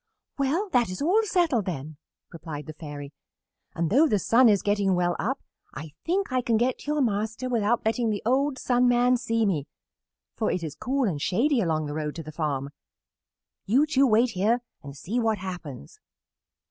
"Well, that is all settled, then," replied the Fairy, "and though the sun is getting well up I think I can get to your master without letting the old Sun Man see me, for it is cool and shady along the road to the farm. You two wait here and see what happens."